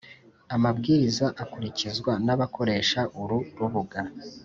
amabwiriza akurikizwa nabakoresha uru rubuga